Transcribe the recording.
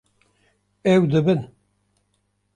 Ew dibin